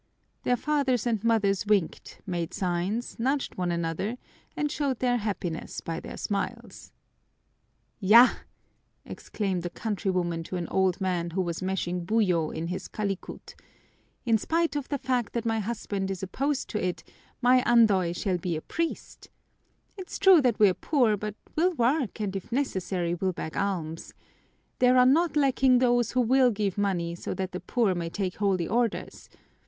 Their fathers and mothers winked, made signs, nudged one another, and showed their happiness by their smiles. "Ya!" exclaimed a countrywoman to an old man who was mashing buyo in his kalikut, "in spite of the fact that my husband is opposed to it, my Andoy shall be a priest. It's true that we're poor, but we'll work, and if necessary we'll beg alms. There are not lacking those who will give money so that the poor may take holy orders.